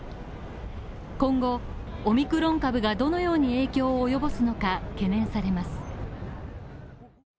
今後、オミクロン株がどのように影響を及ぼすのか懸念されます。